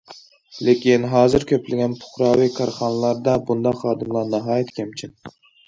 لېكىن ھازىر كۆپلىگەن پۇقراۋى كارخانىلاردا بۇنداق خادىملار ناھايىتى كەمچىل.